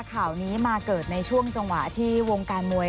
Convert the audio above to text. ข่าวนี้มาเกิดในช่วงจังหวะที่วงการมวย